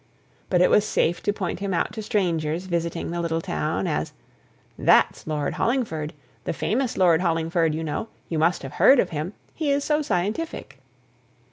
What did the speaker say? But it was safe to point him out to strangers visiting the little town, as "That's Lord Hollingford the famous Lord Hollingford, you know; you must have heard of him, he is so scientific."